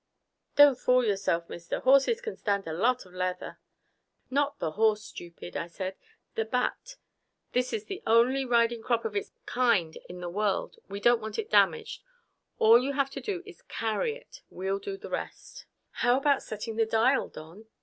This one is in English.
"Don't fool yourself, mister. Horses can stand a lot of leather." "Not the horse, stupid," I said. "The bat. This is the only riding crop of its kind in the world. We don't want it damaged. All you have to do is carry it. We'll do the rest." "How about setting the dial, Don?"